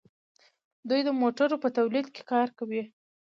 دوی د موټرو په تولید کې کار کوي.